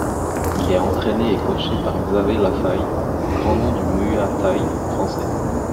Il est entraîné et coaché par Xavier Lafaye, grand nom du Muay-thaï Français.